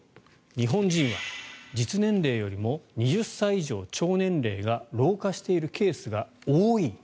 日本人は実年齢よりも２０歳以上、腸年齢が老化しているケースが多い。